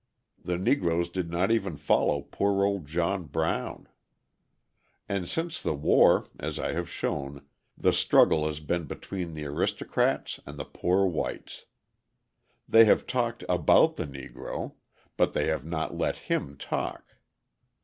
The Negroes did not even follow poor old John Brown. And since the war, as I have shown, the struggle has been between the aristocrats and the poor whites. They have talked about the Negro, but they have not let him talk.